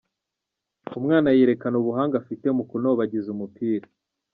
Umwana yerekana ubuhanga afite mu kunobagiza umupira.